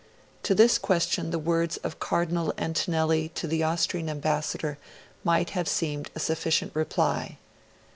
To this question the words of Cardinal Antonelli to the Austrian Ambassador might have seemed a sufficient reply.